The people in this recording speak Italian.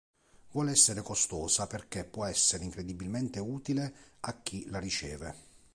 Vuole essere costosa perché può essere incredibilmente utile a chi la riceve.